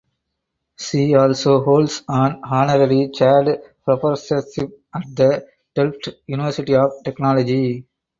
She also holds an honorary chaired professorship at the Delft University of Technology.